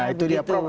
nah itu dia prof